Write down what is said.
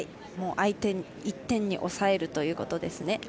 相手１点に抑えるということですね。